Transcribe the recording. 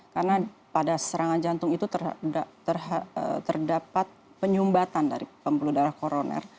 karena pada serangan jantung itu terdapat penyumbatan dari pembuluh darah koroner